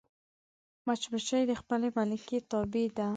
مچمچۍ د خپلې ملکې تابع ده